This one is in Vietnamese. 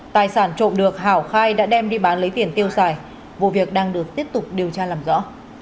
tài sản trộm được hảo khai đã đem đi bán lấy tiền tiêu xài vụ việc đang được tiếp tục điều tra làm rõ